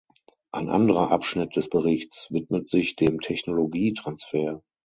Ein anderer Abschnitt des Berichts widmet sich dem Technologietransfer.